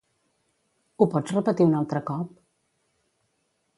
Ho pots repetir un altre cop?